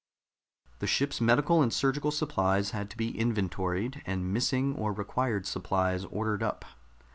The ship's medical and surgical supplies had to be inventoried, and missing or required supplies ordered up.